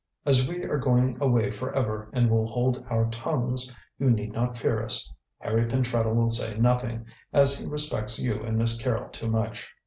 As we are going away for ever and will hold our tongues, you need not fear us. Harry Pentreddle will say nothing, as he respects you and Miss Carrol too much.